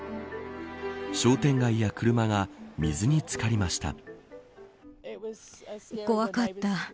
商店街や車が水に漬かりました。